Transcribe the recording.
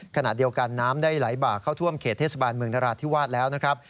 ขณะเดียวกันน้ำได้ไหลบากเข้าท่วมเขตเทศบาลเมืองนราธิวาสแล้วนะครับ